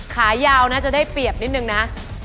ขายาวนะจะได้เปรียบนิดนึงนะ